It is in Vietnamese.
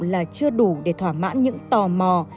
là chưa đủ để thỏa mãn những tò mò